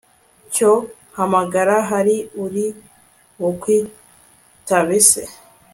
cyo hamagara! hari uri bukwitabe se